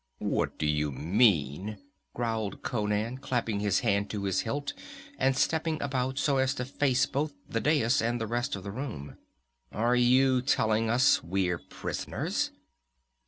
"What do you mean?" growled Conan, clapping his hand to his hilt and stepping about so as to face both the dais and the rest of the room. "Are you telling us we're prisoners?"